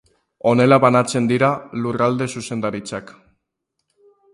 Honela banatzen dira lurralde zuzendaritzak.